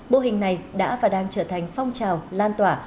mô hình này đã và đang trở thành phong trào lan tỏa